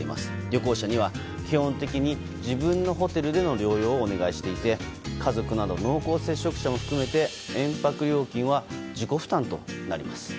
旅行者には基本的に自分のホテルでの療養をお願いしていて家族などの濃厚接触者などを含め延泊料金は自己負担となります。